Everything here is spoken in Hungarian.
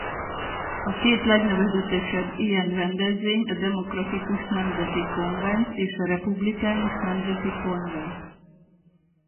A két legnevezetesebb ilyen rendezvény a Demokratikus Nemzeti Konvent és a Republikánus Nemzeti Konvent.